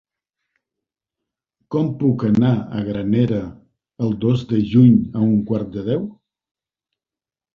Com puc anar a Granera el dos de juny a un quart de deu?